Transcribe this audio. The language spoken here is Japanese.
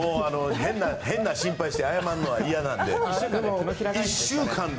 変な心配して謝るのはいやなので。